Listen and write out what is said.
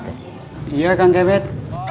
iya kang kebet